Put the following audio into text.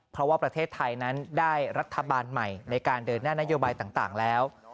เพราะว่าประเทศไทยนั้นได้รัฐบาลใหม่ในการเดินหน้านโยบายต่างแล้ว